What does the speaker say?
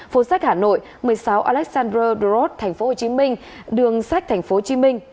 phố sách hà nội một mươi sáu alexandra road tp hcm đường sách tp hcm